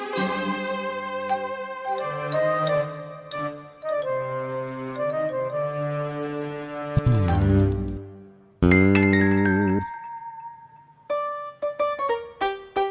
ganti barung gajah